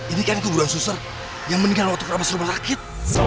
ini kan kuburan susar yang mendingan waktu keramas rumah sakit